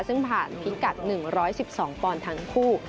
ซึ่งผ่านพิกัดหนึ่งร้อยสิบสองปอนด์ทั้งคู่